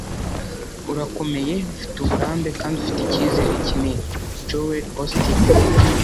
Urakomeye, ufite uburambe, kandi ufite icyizere kinini. ”- Joel Osteen